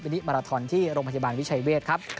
วิธีมาราธรณ์ที่โรงพยาบาลวิชาเวศครับ